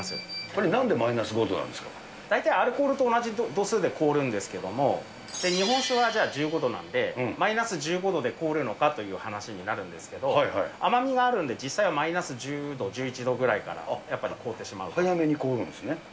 これなんでマイナス５度なん大体、アルコールと同じ度数で凍るんですけれども、日本酒はじゃあ１５度なんで、マイナス１５度で氷るのかという話になるんですけど、甘みがあるんで、実際はマイナス１０度、１１度ぐらいから、やっぱり凍っ早めに凍るんですね。